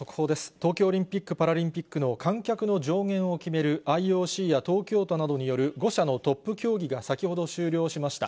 東京オリンピック・パラリンピックの観客の上限を決めるＩＯＣや東京都などによる５者のトップ協議が、先ほど終了しました。